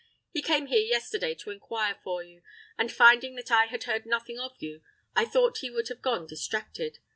He came here yesterday to inquire for you, and finding that I had heard nothing of you, I thought he would have gone distracted.